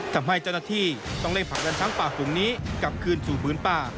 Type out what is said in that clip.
ทำให้เจ้าหน้าที่ต้องเร่งผลักดันช้างป่าฝูงนี้กลับคืนสู่พื้นป่า